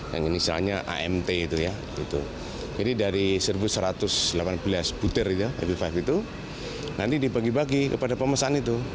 yang inisialnya amt itu ya jadi dari seribu satu ratus delapan belas butir happy five itu nanti dibagi bagi kepada pemesan itu